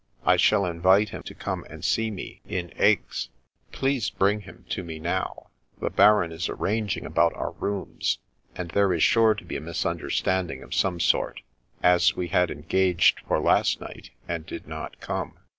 I shall invite him to come and see me in Aix. Please bring him to me now. The Baron is arranging about our rooms, and there is sure to be a misunderstanding of some sort, as we had engaged for last night and did not come.